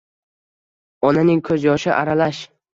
Onaning koʼz yoshi aralash